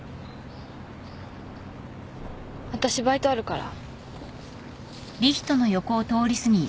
わたしバイトあるから。